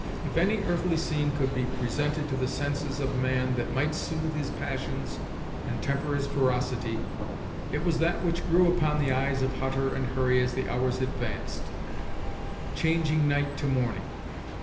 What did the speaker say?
If any earthly scene could be presented to the senses of man that might soothe his passions and temper his ferocity, it was that which grew upon the eyes of Hutter and Hurry as the hours advanced, changing night to morning.